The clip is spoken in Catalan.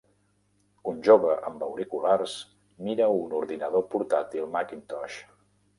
Un jove amb auriculars mira un ordinador portàtil Macintosh.